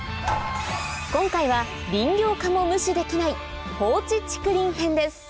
今回は林業家も無視できない放置竹林編です